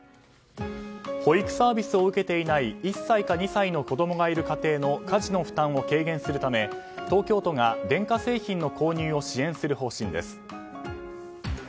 保育サービスを受けていない１歳か２歳の子供がいる家庭の家事の負担を軽減するため東京都が電化製品の購入を支援する方針です。